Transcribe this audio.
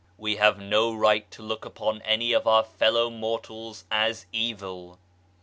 We have no right to look upon any of our fellow mortals as evil.